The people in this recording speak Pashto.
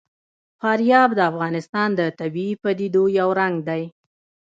فاریاب د افغانستان د طبیعي پدیدو یو رنګ دی.